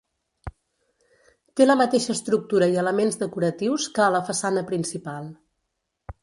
Té la mateixa estructura i elements decoratius que a la façana principal.